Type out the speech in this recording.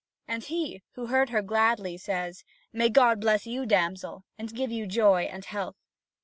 And he, who heard her gladly, says: "May God bless you, damsel, and give you joy and health!"